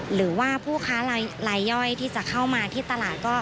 หรือว่าผู้ค้ารายย่อยที่จะเข้ามาที่ตลาดก็